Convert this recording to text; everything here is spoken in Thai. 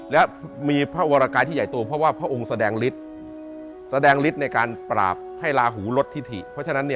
และมีพระวรกายที่ใหญ่โตเพราะว่าพระองค์แสดงฤทธิ์แสดงฤทธิ์ในการปราบให้ลาหูลดทิถิเพราะฉะนั้น